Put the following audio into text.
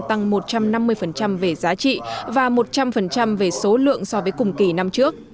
tăng một trăm năm mươi về giá trị và một trăm linh về số lượng so với cùng kỳ năm trước